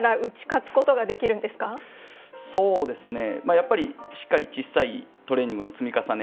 やっぱりしっかりちっさいトレーニングの積み重ね。